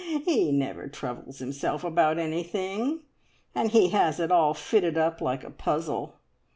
"He never troubles himself about anything, and he has it all fitted up like a puzzle.